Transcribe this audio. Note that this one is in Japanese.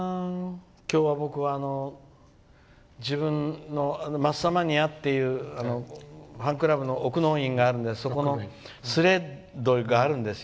今日は僕は自分のＭａｓｓ＠Ｍａｎｉａっていうファンクラブの奥の院があるんでそこにスレッドがあるんですよ。